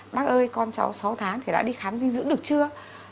bác ơi con cháu sáu tháng thì đã đi khám dinh dưỡng được chưa